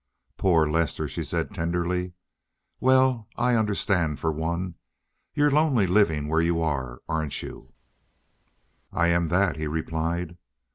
"Poor Lester!" she said tenderly. "Well, I understand for one. You're lonely living where you are, aren't you?" "I am that," he replied.